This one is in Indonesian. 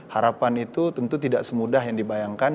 harapan itu tentu tidak semudah yang dibayangkan